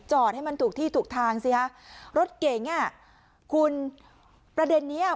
ให้มันถูกที่ถูกทางสิฮะรถเก๋งอ่ะคุณประเด็นเนี้ย